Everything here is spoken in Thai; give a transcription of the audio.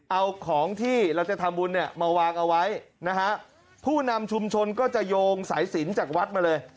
เอาของที่เราจะทำบุญเนี่ยมาวางเอาไว้นะฮะผู้นำชุมชนก็จะโยงสายสินจากวัดมาเลย